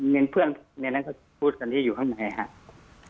เพื่อนในนั้นก็พูดกันที่อยู่ข้างในครับ